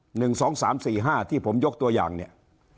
หนึ่งสองสามสี่ห้าที่ผมยกตัวอย่างเนี่ย